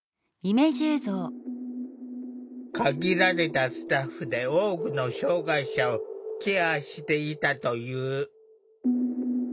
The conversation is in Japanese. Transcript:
限られたスタッフで多くの障害者をケアしていたという。